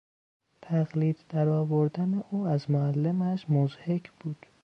تقلید درآوردن او از معلمش مضحک بود.